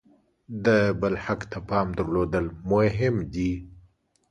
د بل حق ته پام درلودل مهم دي.